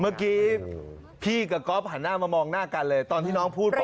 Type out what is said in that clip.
เมื่อกี้พี่กับก๊อฟหันหน้ามามองหน้ากันเลยตอนที่น้องพูดไป